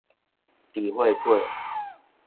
豬血稞